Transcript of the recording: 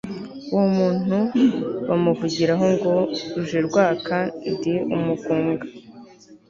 uwo muntu bamuvugiraho ngo «rujerwaka ndi umugunga»